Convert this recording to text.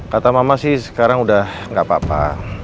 kata mama sih sekarang udah gak apa apa